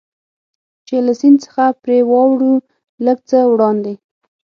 چې له سیند څخه پرې واوړو، لږ څه وړاندې.